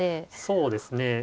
そうですね。